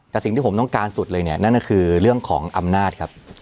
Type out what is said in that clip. แต่สิ่งที่ผมต้องการสุดเลยเนี่ยนั่นก็คือเรื่องของอำนาจครับ